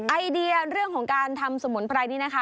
ไอเดียเรื่องของการทำสมุนไพรนี้นะคะ